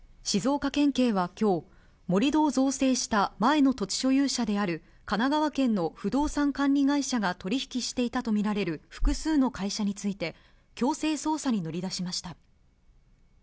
静岡県警は今日、盛り土を造成した前の土地所有者である神奈川県の不動産管理会社が取引していたとみられる複数の会社について強制捜査に乗り出しました。